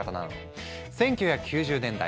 １９９０年代